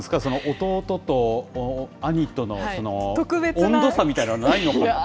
弟と兄との温度差みたいなのはないのかな。